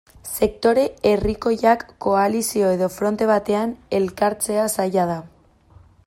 Sektore herrikoiak koalizio edo fronte batean elkartzea zaila da.